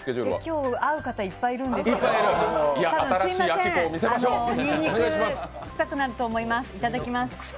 今日、会う方がたくさんいるんですが、すみません、にんにくくさくなると思います、いただきます。